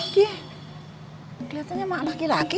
keliatannya sama laki laki